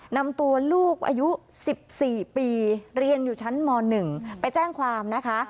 นำตัวลูกอายุ๑๔ปีเรียนอยู่ชั้นม๑ไปแจ้งความนะคะ